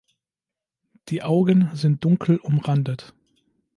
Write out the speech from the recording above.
Die Augen sind dunkel umrandet.